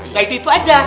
nah itu itu aja